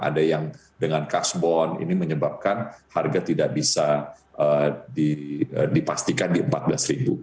ada yang dengan cashbon ini menyebabkan harga tidak bisa dipastikan di rp empat belas